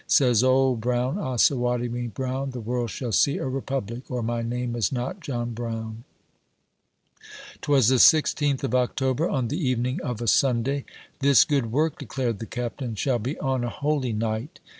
Says Old Brown, Osawatomie Brown, " The world shall see a Republic, or my name is not John Brown !" T was the sixteenth of October, on the evening of a Sunday —" This good work," declared the Captain, " shall be on a holy night